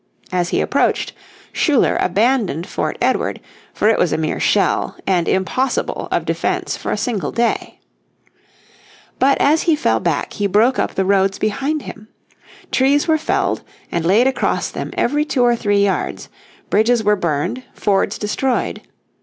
As he approached, Schuyler abandoned Fort Edward, for it was a mere shell and impossible of defence for a single day. But as he fell back, he broke up the roads behind him. Trees were felled and laid across them every two or three yards, bridges were burned, fords destroyed.